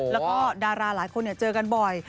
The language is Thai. แล้วก็ดาราหลายคนเจอกันบ่อย